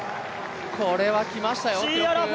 これはきましたよ、記録。